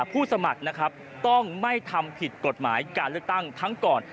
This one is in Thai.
ผู้สมัครนะครับต้องไม่ทำผิดกฎหมายการเลือกตั้งทั้งก่อน